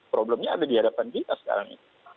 problemnya ada di hadapan kita sekarang itu